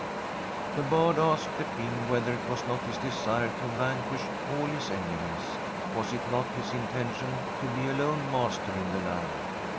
The Bard asked the King whether it was not his desire to vanquish all his enemies. Was it not his intention to be alone master in the land